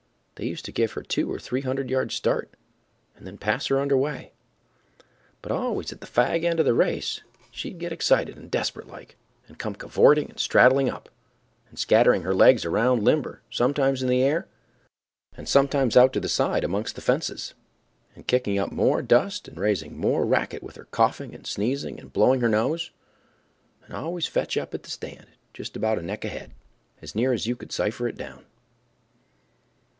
They used to give her two or three hundred yards start, and then pass her under way; but always at the fag end of the race she'd get excited and desperate like, and come cavorting and straddling up, and scattering her legs around limber, sometimes in the air, and sometimes out to one side amongst the fences, and kicking up m o r e dust and raising m o r e racket with her coughing and sneezing and blowing her nose—and always fetch up at the stand just about a neck ahead, as near as you could cipher it down.